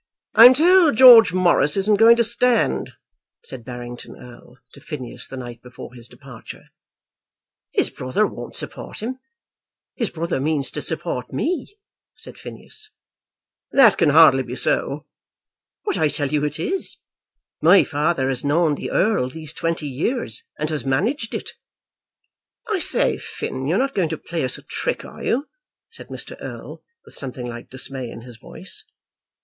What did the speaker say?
"I'm told George Morris isn't going to stand," said Barrington Erle to Phineas the night before his departure. "His brother won't support him. His brother means to support me," said Phineas. "That can hardly be so." "But I tell you it is. My father has known the Earl these twenty years, and has managed it." "I say, Finn, you're not going to play us a trick, are you?" said Mr. Erle, with something like dismay in his voice.